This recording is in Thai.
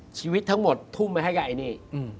ชีวิตทั้งหมดทุ่มไปให้กับไอ้นี่